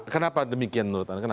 kenapa demikian menurut anda